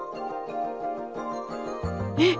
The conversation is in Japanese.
えっ！